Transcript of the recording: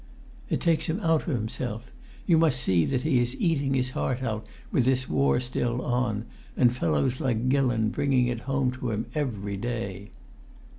"It takes him out of himself. You must see that he is eating his heart out, with this war still on, and fellows like Gillon bringing it home to him every day."